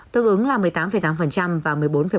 tương ứng là một mươi tám tám và một mươi bốn bảy